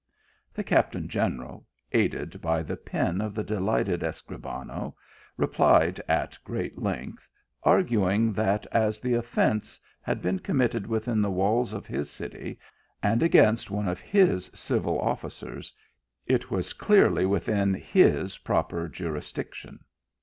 The captain general, aided by the pen of the delighted Escribano, eplied at great length, irguing that as the offence had been committed within the walls of his city, and against one of his civil officers, it was clearly within his proper jurisdiction.